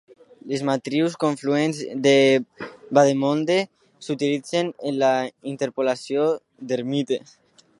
Les matrius confluents de Vandermonde s'utilitzen en la interpolació d'Hermite.